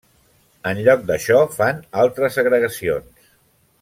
En lloc d'això fan altres agregacions.